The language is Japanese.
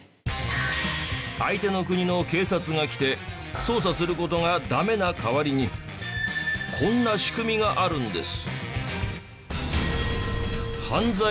相手の国の警察が来て捜査する事がダメな代わりにこんな仕組みがあるんです。